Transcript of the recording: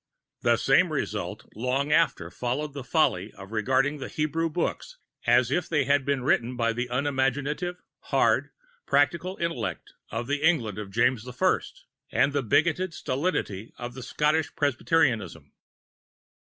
The same result long after followed the folly of regarding the Hebrew books as if they had been written by the unimaginative, hard, practical intellect of the England of James the First and the bigoted stolidity of Scottish Presbyterianism.